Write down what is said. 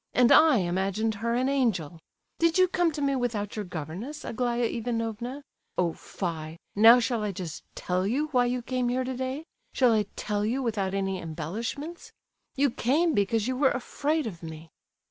And I imagined her an angel! Did you come to me without your governess, Aglaya Ivanovna? Oh, fie, now shall I just tell you why you came here today? Shall I tell you without any embellishments? You came because you were afraid of me!"